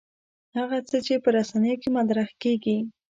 هغه څه چې په رسنیو کې مطرح کېږي.